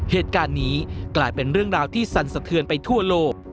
เหตุการณ์นี้กลายเป็นเรื่องราวที่สั่นสะเทือนไปทั่วโลก